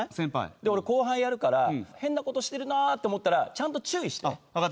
俺後輩やるから変なことしてるなって思ったらちゃんと注意して。